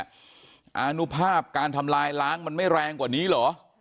อนุภาพการทำลายล้างมันไม่แรงกว่านี้เหรอ